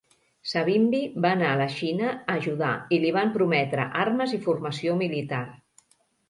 Savimbi va anar a la Xina a ajudar i li van prometre armes i formació militar.